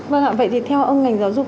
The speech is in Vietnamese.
vâng ạ vậy thì theo ông ngành giáo dục